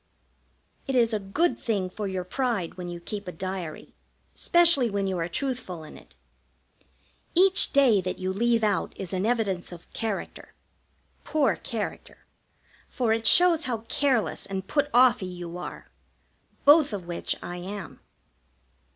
It is a good thing for your pride when you keep a diary, specially when you are truthful in it. Each day that you leave out is an evidence of character poor character for it shows how careless and put off y you are; both of which I am.